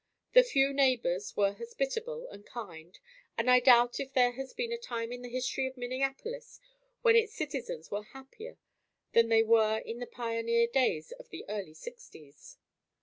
The few neighbors were hospitable and kind and I doubt if there has been a time in the history of Minneapolis when its citizens were happier than they were in the pioneer days of the early sixties.